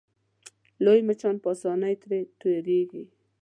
لوی مچان په اسانۍ ترې تېرېږي.